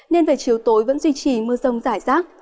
nên về chiều tối vẫn duy trì mưa rông rải rác